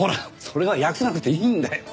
それは訳さなくていいんだよ！